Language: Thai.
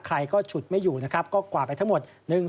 ใครก็ฉุดไม่อยู่นะครับก็กวาดไปทั้งหมด